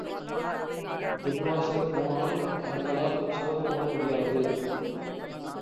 துர்வாசர் போனால் அவர்களால் சோறு போட முடியாது.